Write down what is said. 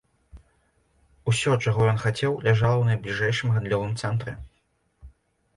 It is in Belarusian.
Усё, чаго ён хацеў, ляжала ў найбліжэйшым гандлёвым цэнтры.